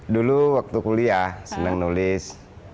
dulu waktu kuliah senang nulis